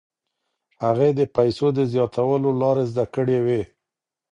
هغې د پیسو د زیاتولو لارې زده کړې وې.